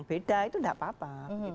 beda itu tidak apa apa